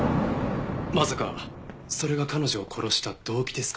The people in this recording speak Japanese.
まさかそれが彼女を殺した動機ですか？